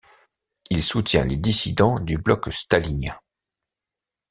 Il soutient les dissidents du bloc stalinien.